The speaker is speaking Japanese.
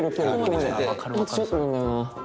あとちょっとなんだよな。